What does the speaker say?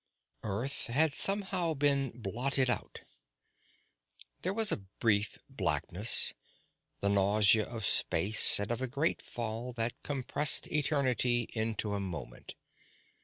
Earth had somehow been blotted out. There was a brief blackness, the nausea of space and of a great fall that compressed eternity into a moment.